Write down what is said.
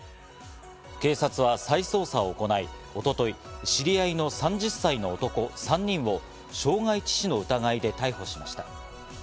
警察は再捜査を行い、一昨日、知り合いの３０歳の男３人を傷害致死の疑いで逮捕しました。